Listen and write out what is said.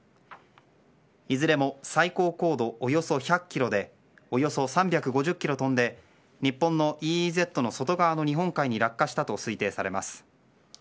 いずれも最高高度およそ１００ｋｍでおよそ３５０ｋｍ飛んで日本のＥＥＺの外側の日本海に落下したと推定されます。